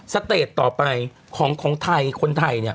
สเตรดต่อไปของคนไทยเนี่ย